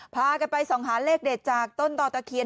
พากันไปส่องหาเลขเด็ดจากต้นต่อตะเคียน